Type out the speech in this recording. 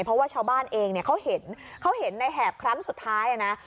เพราะว่าชาวบ้านเองเนี่ยเขาเห็นเขาเห็นในแหบครั้งสุดท้ายนะ